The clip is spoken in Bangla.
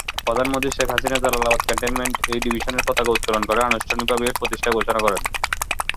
প্রধানমন্ত্রী শেখ হাসিনা জালালাবাদ ক্যান্টনমেন্টে এই ডিভিশনের পতাকা উত্তোলন করে আনুষ্ঠানিকভাবে এর প্রতিষ্ঠা ঘোষণা করেন।